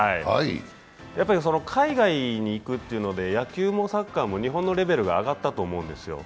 やっぱり海外に行くというので野球もサッカーも日本のレベルが上がったと思うんですよ。